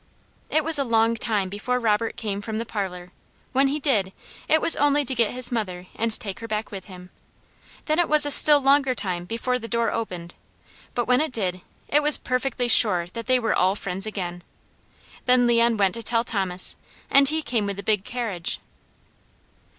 It was a long time before Robert came from the parlour; when he did, it was only to get his mother and take her back with him; then it was a still longer time before the door opened; but when it did, it was perfectly sure that they were all friends again. Then Leon went to tell Thomas, and he came with the big carriage.